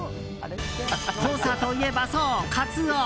土佐といえば、そうカツオ！